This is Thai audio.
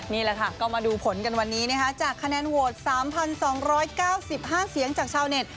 นี่แหละค่ะก็มาดูผลกันวันนี้นะคะจากคะแนนโหวดสามพันสองร้อยเก้าสิบห้าเสียงจากชาวเน็ต